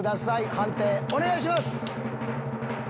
判定お願いします。